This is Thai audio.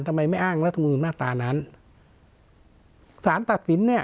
ทำไมไม่อ้างรัฐมนุนมาตรานั้นสารตัดสินเนี่ย